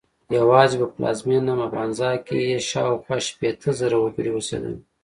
یوازې په پلازمېنه مبانزا کې یې شاوخوا شپېته زره وګړي اوسېدل.